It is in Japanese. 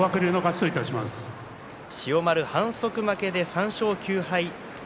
千代丸は反則負けで３勝９敗。